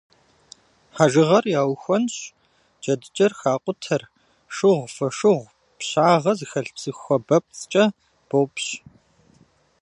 Хьэжыгъэр яухуэнщӏ, джэдыкӏэр хакъутэр шыгъу, фошыгъу, пщагъэ зыхэлъ псы хуабэпцӏкӏэ бопщ.